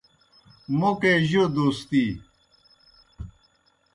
موْکے جوْ دوستی